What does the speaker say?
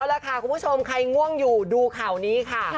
เอาล่ะค่ะคุณผู้ชมใครง่วงอยู่ดูข่าวนี้ค่ะ